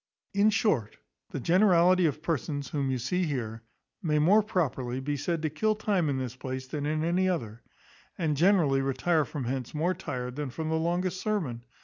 In short, the generality of persons whom you see here may more properly be said to kill time in this place than in any other; and generally retire from hence more tired than from the longest sermon.